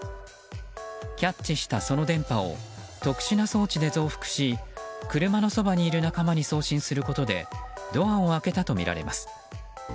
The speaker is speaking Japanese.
キャッチしたその電波を特殊な装置で増幅し車のそばにいる仲間に送信することでドアを開けたとみられます。